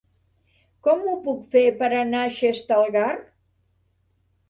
Com ho puc fer per anar a Xestalgar?